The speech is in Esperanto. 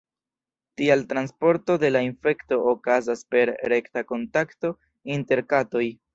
Tial transporto de la infekto okazas per rekta kontakto inter katoj.